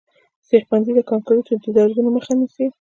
سیخ بندي د کانکریټو د درزونو مخه نیسي